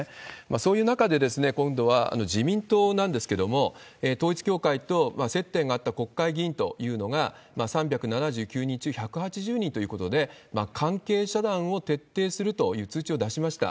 そういう中で、今度は自民党なんですけども、統一教会と接点があった国会議員というのが、３７９人中１８０人ということで、関係遮断を徹底するという通知を出しました。